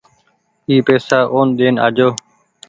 اي پئيسا اون ۮين آجو ۔